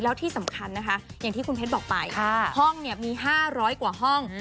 แล้วที่สำคัญนะคะอย่างที่คุณเพชรบอกไปห้องเนี่ยมี๕๐๐กว่าห้อง